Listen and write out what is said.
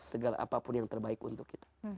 segar apapun yang terbaik untuk kita